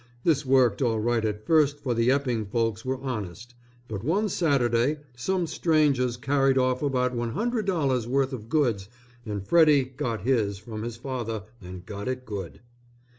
This worked all right at first for the Epping folks were honest, but one Saturday some strangers carried off about $100 worth of goods and Freddy got his from his father and got it good.